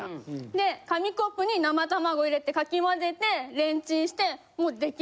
で紙コップに生卵入れてかき混ぜてレンチンしてもう出来る。